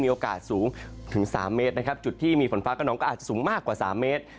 โอกาสสูงถึง๓เมตรนะครับจุดที่มีฝนฟ้ากระนองก็อาจจะสูงมากกว่า๓เมตร